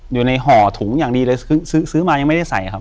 อยู่ในห่อถุงอย่างดีเลยซื้อมายังไม่ได้ใส่ครับ